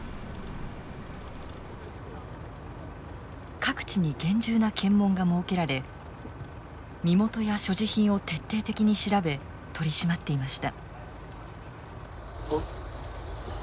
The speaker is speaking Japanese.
各地に厳重な検問が設けられ身元や所持品を徹底的に調べ取り締まっていました。